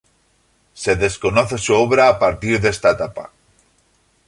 Se desconoce su obra a partir de esta etapa.